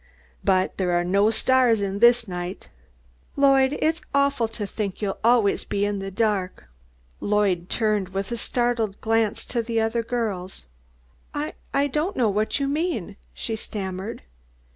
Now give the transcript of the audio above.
But there are no stars in this night. Lloyd, it's awful to think you'll always be in the dark!" Lloyd turned with a startled glance to the other girls. "I I don't know what you mean," she stammered.